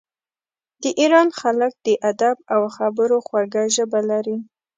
د ایران خلک د ادب او خبرو خوږه ژبه لري.